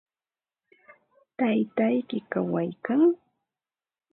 ¿Taytayki kawaykan?